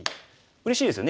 うれしいですよね